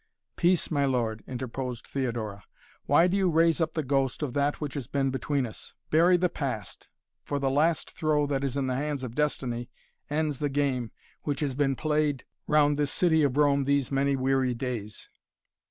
"Peace, my lord!" interposed Theodora. "Why do you raise up the ghost of that which has been between us? Bury the past, for the last throw that is in the hands of destiny ends the game which has been played round this city of Rome these many weary days."